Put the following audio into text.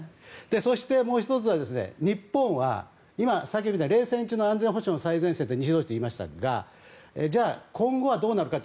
そしてもう１つは、日本は今冷戦中の安全保障の最前線は西ドイツと言いましたがじゃあ、今後はどうなるか。